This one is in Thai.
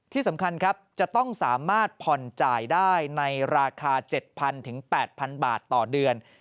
ที่สำคัญครับจะต้องสามารถผ่อนจ่ายได้ในราคา๗๐๐๘๐๐บาทต่อเดือน